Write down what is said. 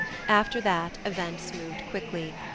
After that events moved quickly.